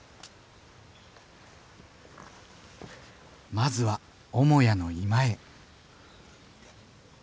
まずは母屋の居間へ。